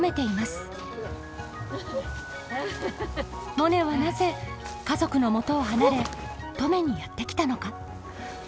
モネはなぜ家族のもとを離れ登米にやって来たのか。